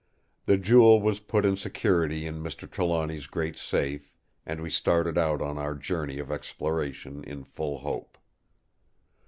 The jewel was put in security in Mr. Trelawny's great safe; and we started out on our journey of exploration in full hope.